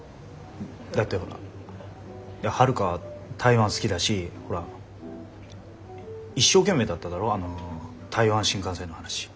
だって春香台湾好きだしほら一生懸命だっただろあの台湾新幹線の話。